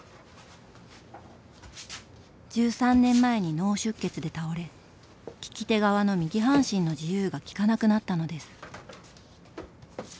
１３年前に脳出血で倒れ利き手側の右半身の自由が利かなくなったのです。